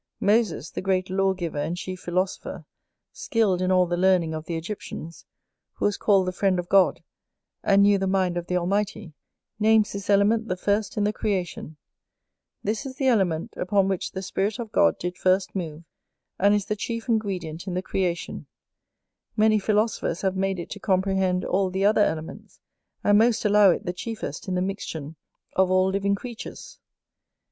Moses, the great lawgiver and chief philosopher, skilled in all the learning of the Egyptians, who was called the friend of God, and knew the mind of the Almighty, names this element the first in the creation: this is the element upon which the Spirit of God did first move, and is the chief ingredient in the creation: many philosophers have made it to comprehend all the other elements, and most allow it the chiefest in the mixtion of all living creatures.